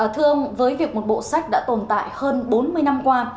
thưa ông với việc một bộ sách đã tồn tại hơn bốn mươi năm qua